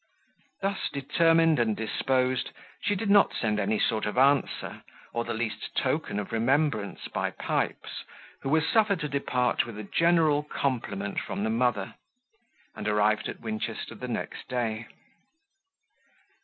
Thus determined and disposed, she did not send any sort of answer, or the least token of remembrance by Pipes, who was suffered to depart with a general compliment from the mother, and arrived at Winchester the next day.